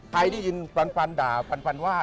ใครได้ยินปันปันด่าปันปันว่า